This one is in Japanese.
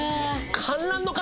観覧の方？